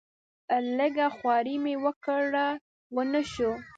لږه خواري مې وکړه ونه شو.